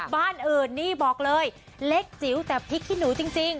บ้านอื่นนี่บอกเลยเล็กจิ๋วแต่พริกขี้หนูจริง